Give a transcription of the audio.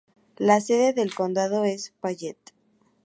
La sede del condado es Payette.